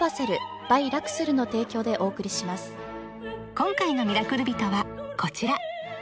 ［今回の『ミラクルビト』はこちら］